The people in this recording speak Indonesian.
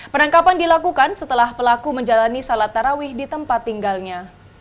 penangkapan dilakukan setelah pelaku menjalani salat tarawih di tempat tinggalnya